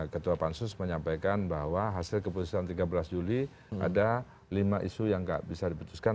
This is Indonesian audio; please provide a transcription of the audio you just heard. ketua pansus menyampaikan bahwa hasil keputusan tiga belas juli ada lima isu yang gak bisa diputuskan